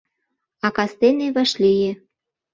А кастене вашлие